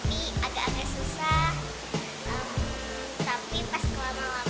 tapi pas kelamaan kelamaan jadi gak mudah